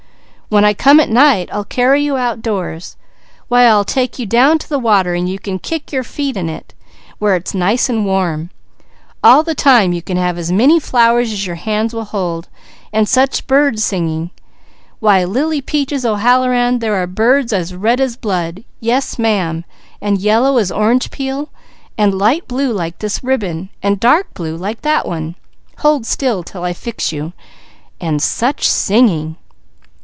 When I come at night, I'll carry your outdoors; why I'll take you down to the water and you can kick your feet in it, where it's nice and warm; all the time you can have as many flowers as your hands will hold; and such bird singing, why Lily Peaches O'Halloran, there are birds as red as blood, yes ma'am, and yellow as orange peel and light blue like this ribbon and dark blue like that hold still 'til I fix you and such singing!"